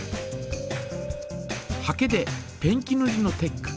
ハケでペンキぬりのテック。